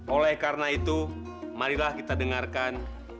oleh karena itu marilah kita dengarkan